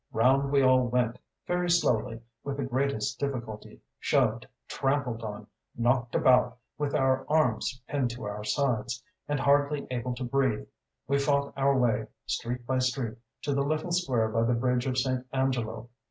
Round we all went; very slowly, with the greatest difficulty, shoved, trampled on, knocked about; with our arms pinned to our sides, and hardly able to breathe, we fought our way, street by street, to the little square by the bridge of St. Angelo.